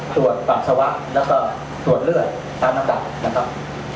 ตรวจฝักษวะแล้วก็ตรวจเลือดตามธรรมดา